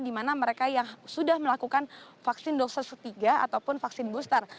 dimana mereka yang sudah melakukan vaksin dokser setiga ataupun vaksin booster